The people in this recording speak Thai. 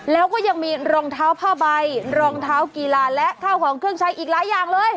แล้วก็ยังมีรองเท้าผ้าใบรองเท้ากีฬาและข้าวของเครื่องใช้อีกหลายอย่างเลย